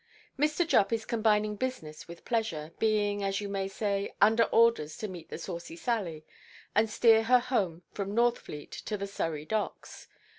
Mr. Jupp is combining business with pleasure, being, as you may say, under orders to meet the Saucy Sally, and steer her home from Northfleet to the Surrey Docks.